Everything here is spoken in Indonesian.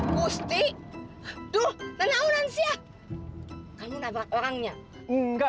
pasti dulu menangis ya kamu nabrak orangnya enggak